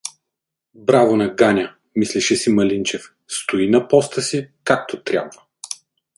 Браво на Ганя, мислеше си Малинчев, стои на постл си, както трябва.